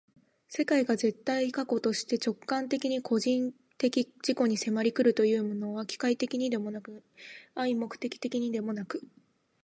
世界が絶対過去として直観的に個人的自己に迫り来るというのは、機械的にでもなく合目的的にでもなく、